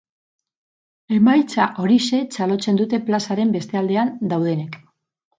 Emaitza horixe txalotzen dute plazaren beste aldean daudenek.